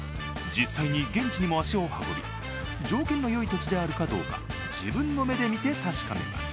実際に現地にも足を運び条件がよい土地であるかどうか自分の目で見て確かめます。